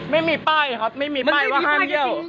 ไม่มีป้ายครับไม่มีป้ายว่าห้ามเยี่ยว